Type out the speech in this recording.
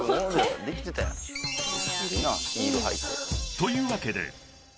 ［というわけで］